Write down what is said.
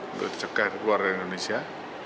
untuk dicegah keluar dari indonesia